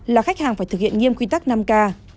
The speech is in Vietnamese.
là khách hàng phải thực hiện nghiêm quy tắc năm k